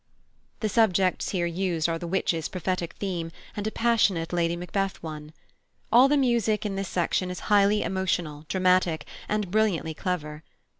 The subjects here used are the Witches' prophetic theme and a passionate Lady Macbeth one. All the music in this section is highly emotional, dramatic, and brilliantly clever.